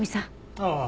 ああ。